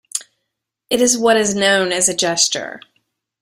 It is what is known as a gesture.